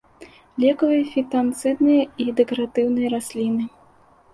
Лекавыя, фітанцыдныя і дэкаратыўныя расліны.